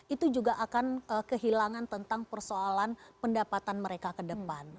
itu juga akan kehilangan tentang persoalan pendapatan mereka ke depan